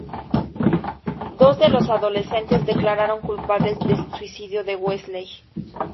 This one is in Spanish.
Dos de las adolescentes se declararon culpables del suicidio de Wesley.